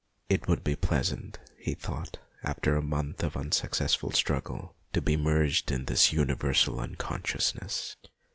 It would be pleasant, he thought, after a month of unsuccessful struggle, to be merged in this universal unconsciousness.